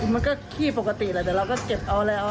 มันก็ขี้ปกติแหละแต่เราก็เก็บเอาอะไรเอา